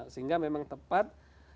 sehingga memang tepat